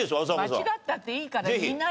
間違ったっていいから言いなよ。